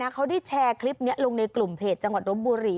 เขาได้แชร์คลิปนี้ลงในกลุ่มเพจจังหวัดรบบุรี